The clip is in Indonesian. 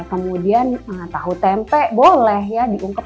kemudian tahu tempe boleh ya diungkep